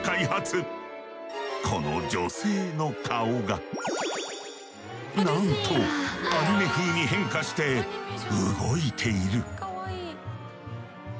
この女性の顔がなんとアニメ風に変化して動いている！